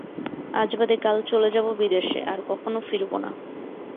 আজ বাদে কাল চলে যাব বিদেশে, আর কখনো ফিরব না।